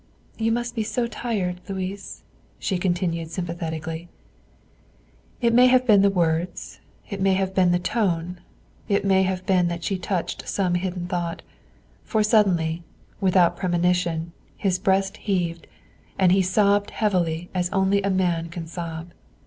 "You must be so tired, Louis," she continued sympathetically. It may have been the words, it may have been the tone, it may have been that she touched some hidden thought, for suddenly, without premonition, his breast heaved, and he sobbed heavily as only a man can sob.